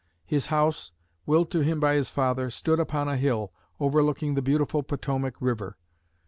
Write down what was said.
His house, willed to him by his father, stood upon a hill overlooking the beautiful Potomac River.